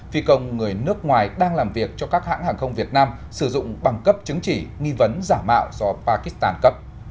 phi công người nước ngoài đang làm việc cho các hãng hàng không việt nam sử dụng băng cấp chứng chỉ nghi vấn giả mạo do pakistan cấp